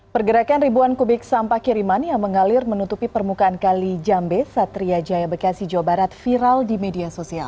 pergerakan ribuan kubik sampah kiriman yang mengalir menutupi permukaan kali jambe satria jaya bekasi jawa barat viral di media sosial